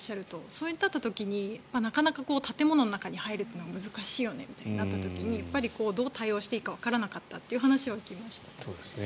そうなった時になかなか建物の中に入るというのが難しいよねみたいになった時にどう対応したらいいかわからなかったという話は聞きました。